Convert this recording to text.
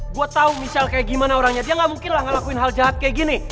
gue tau michelle kayak gimana orangnya dia gak mungkin lah gak lakuin hal jahat kayak gini